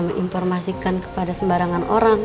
menginformasikan kepada sebarangan orang